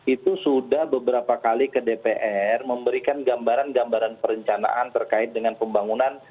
itu sudah beberapa kali ke dpr memberikan gambaran gambaran perencanaan terkait dengan pembangunan